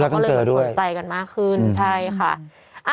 ก็เลยสนใจกันมากขึ้นใช่ค่ะ